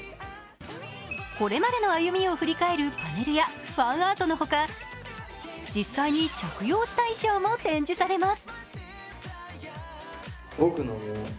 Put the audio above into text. これまでの歩みを振り返るパネルやファンアートのほか実際に着用した衣装も展示されます。